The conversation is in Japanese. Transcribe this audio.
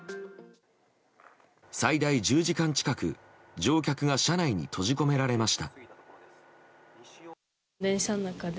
最大１０時間近く乗客が車内に閉じ込められました。